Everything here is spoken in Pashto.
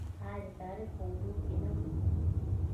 آیا د تاریخ په اوږدو کې نه وي؟